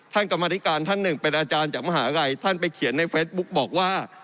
กรรมธิการท่านหนึ่งเป็นอาจารย์จากมหาลัยท่านไปเขียนในเฟซบุ๊กบอกว่า